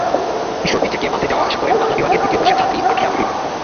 ঈশ্বরদী থেকে বাসে যাওয়া-আসা করেন বাংলা বিভাগের দ্বিতীয় বর্ষের ছাত্রী আঁখি আফরিনা।